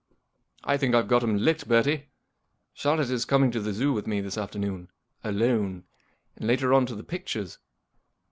" I think I've got him licked, Bertie* Charlotte is coming to the Zoo with me this afternoon. Alone. And later on to the pictures.